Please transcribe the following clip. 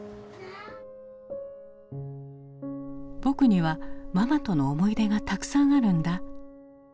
「僕にはママとの思い出がたくさんあるんだ」。